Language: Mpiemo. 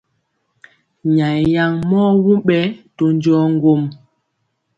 Nyayɛ yaŋ mɔ wuŋ ɓɛ to njɔɔ ŋgwom.